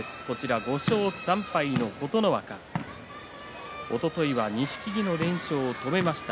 ５勝３敗の琴ノ若おとといは錦木の連勝を止めました。